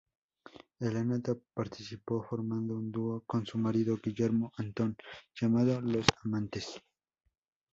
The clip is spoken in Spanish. Helena participó formando un dúo con su marido, Guillermo Antón, llamado "Los Amantes".